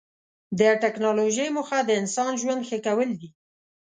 د ټکنالوجۍ موخه د انسان ژوند ښه کول دي.